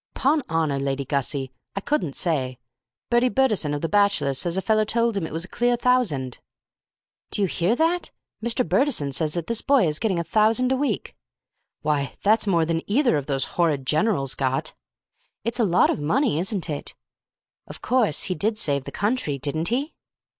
"'Pon honour, Lady Gussie, I couldn't say. Bertie Bertison, of the Bachelors', says a feller told him it was a clear thousand." "Do you hear that? Mr. Bertison says that this boy is getting a thousand a week." "Why, that's more than either of those horrid generals got." "It's a lot of money, isn't it?" "Of course, he did save the country, didn't he?"